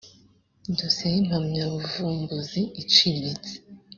dosiye y impamyabuvumbuzi iciriritse